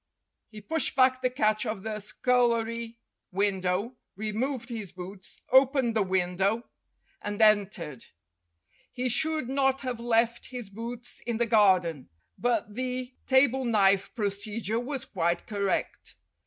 He pushed back the catch of the scullery window, removed his boots, opened the window, and entered. He should not have left his boots in the garden, but the table knife procedure was quite correct.